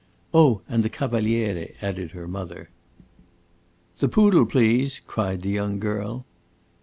"Oh, and the Cavaliere," added her mother. "The poodle, please!" cried the young girl.